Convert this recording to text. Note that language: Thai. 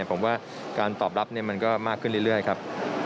ผมว่าการตอบรับมันก็มากขึ้นเรื่อยครับ